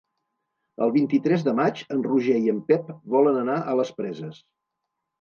El vint-i-tres de maig en Roger i en Pep volen anar a les Preses.